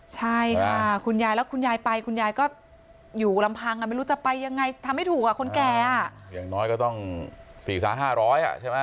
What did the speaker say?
ใช่ค่ะคุณยายแล้วคุณยายไปคุณยายก็อยู่ลำพังอ่ะไม่รู้จะไปยังไงทำไม่ถูกอ่ะคนแก่อ่ะอย่างน้อยก็ต้อง๔๕๐๐อ่ะใช่ไหม